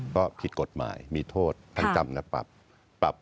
เพราะผิดกฎหมายมีโทษทั้งจำนปรับ